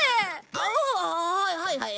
ああはいはいはい。